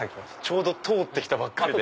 ちょうど通ってきたばっかりで。